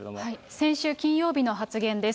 先週金曜日の発言です。